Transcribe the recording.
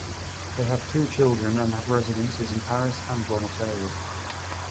They have two children and have residences in Paris and Buenos Aires.